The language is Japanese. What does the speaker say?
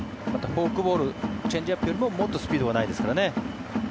フォークボールチェンジアップよりもスピードがないですからね。